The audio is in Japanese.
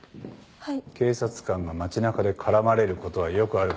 はい。